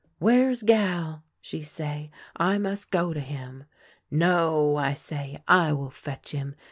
"'Where is Gal?' she say. *I must go to him.' ' No,' I say, ' I will fetch him.